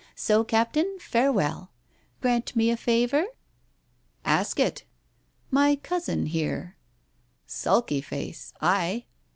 So, Captain, farewell. Grant me a favour?" "Ask it." " My cousin, here " "Sulky face! Ay."